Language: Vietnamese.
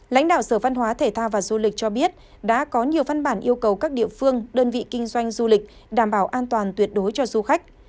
lãnh đạo sở văn hóa thể thao và du lịch cho biết đã có nhiều văn bản yêu cầu các địa phương đơn vị kinh doanh du lịch đảm bảo an toàn tuyệt đối cho du khách